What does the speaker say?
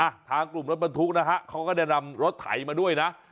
ทางกลุ่มรถบรรทุกนะฮะเขาก็ได้นำรถไถมาด้วยนะ